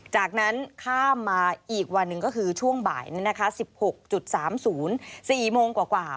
จากนั้นข้ามมาอีกวันหนึ่งก็คือช่วงบ่าย๑๖๓๐๔โมงกว่า